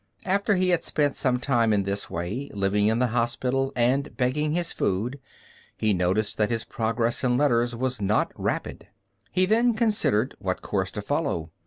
After he had spent some time in this way, living in the hospital and begging his food, he noticed that his progress in letters was not rapid. He then considered what course to follow.